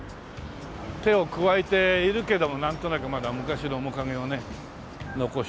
手を加えているけどもなんとなくまだ昔の面影をね残してるという。